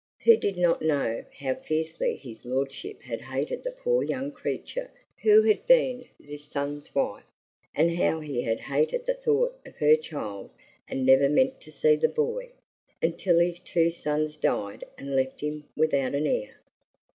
Who did not know how fiercely his lordship had hated the poor young creature who had been this son's wife, and how he had hated the thought of her child and never meant to see the boy until his two sons died and left him without an heir?